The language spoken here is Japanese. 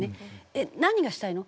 「えっ何がしたいの？